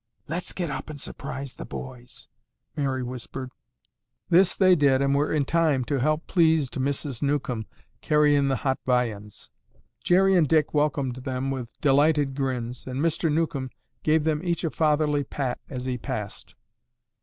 "Let's get up and surprise the boys," Mary whispered. This they did and were in time to help pleased Mrs. Newcomb carry in the hot viands. Jerry and Dick welcomed them with delighted grins and Mr. Newcomb gave them each a fatherly pat as he passed.